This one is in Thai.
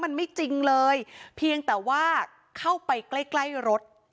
มันไม่จริงเลยเพียงแต่ว่าเข้าไปใกล้ใกล้รถ